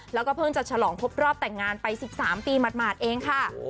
แล้วก็เพิ่งจะฉลองครบรอบแต่งงานไป๑๓ปีหมาดเองค่ะ